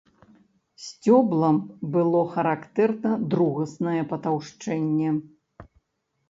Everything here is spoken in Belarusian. Сцёблам было характэрна другаснае патаўшчэнне.